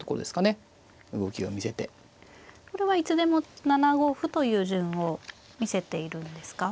これはいつでも７五歩という順を見せているんですか。